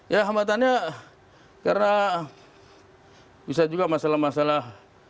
ya hambatannya karena bisa juga masalah masalah